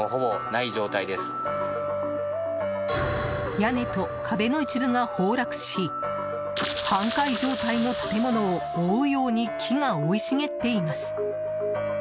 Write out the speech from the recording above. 屋根と壁の一部が崩落し半壊状態の建物を覆うように木が生い茂っています。